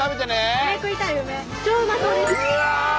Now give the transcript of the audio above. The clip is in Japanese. うわ！